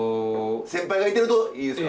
先輩がいてるといいですか？